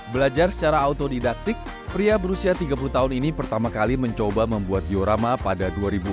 belajar secara autodidaktik pria berusia tiga puluh tahun ini pertama kali mencoba membuat diorama pada dua ribu empat